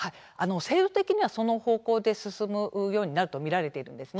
制度的にはその方向で進むようになると見られているんですね。